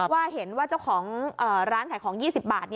ว่าเห็นว่าเจ้าของร้านขายของ๒๐บาท